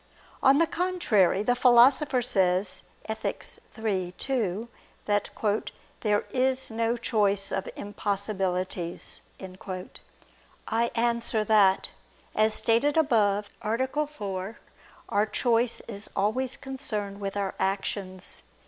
On the contrary, The Philosopher says (Ethic. iii, 2) that "there is no choice of impossibilities." I answer that, As stated above (A. 4), our choice is always concerned with our actions.